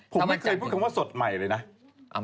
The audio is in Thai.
ผมไม่เคยพูดคำว่าสดใหม่เลยนะ